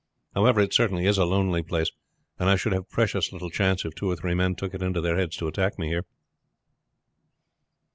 However, it certainly is a lonely place, and I should have precious little chance if two or three men took it into their heads to attack me here."